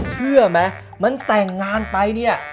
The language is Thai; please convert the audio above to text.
เชื่อไหมมันแต่งงานไปเนี่ย